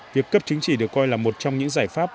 việc cấp chứng chỉ được coi là một trong những giải pháp